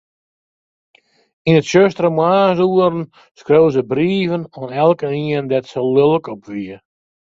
Yn 'e tsjustere moarnsoeren skreau se brieven oan elkenien dêr't se lilk op wie.